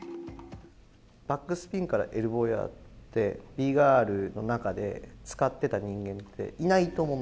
バックスピンからエルボーをやって、Ｂガールの中で使ってた人間っていないと思う。